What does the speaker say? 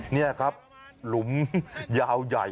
นี่ครับหลุมยาวใหญ่